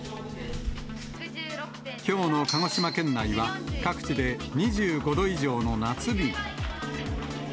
きょうの鹿児島県内は、各地で２５度以上の夏日に。